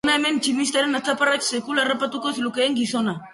Hona hemen tximistaren atzaparrak sekula harrapatuko ez lukeen gizona.